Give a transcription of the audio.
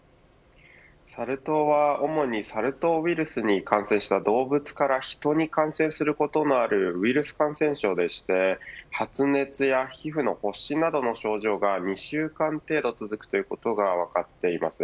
サル痘は主にサル痘ウイルスに感染した動物からヒトに感染することのあるウイルス感染症でして発熱や皮膚の発疹などの症状が２週間程度続くということが分かっています。